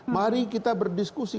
mari kita berdiskusi